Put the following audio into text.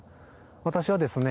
私はですね。